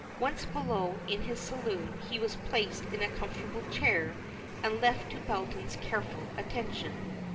Once below in his saloon, he was placed in a comfortable chair and left to Belton's careful attention.